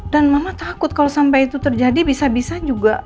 dan mama takut kalau sampai itu terjadi bisa bisa juga